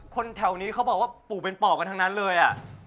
แถวนี้เขาบอกว่าปู่เป็นปอบกันทั้งนั้นเลย